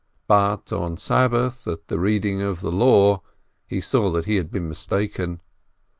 But on Sabbath, at the Reading of the Law, he saw that he had been mistaken.